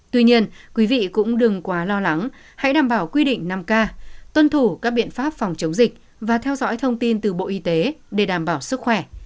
tuy nhiên quý vị cũng đừng quá lo lắng hãy đảm bảo quy định năm k tuân thủ các biện pháp phòng chống dịch và theo dõi thông tin từ bộ y tế để đảm bảo sức khỏe